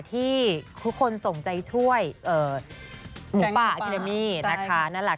ที่ทุกคนส่งใจช่วยหมูปะอาทิตย์แดมีนะคะ